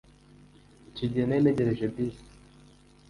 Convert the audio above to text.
Icyo gihe nari ntegereje bisi.